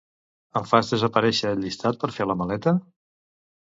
Em fas desaparèixer el llistat per fer la maleta?